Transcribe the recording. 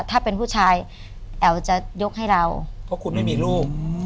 ถ้าเป็นผู้ชายแอ๋วจะยกให้เราเพราะคุณไม่มีลูก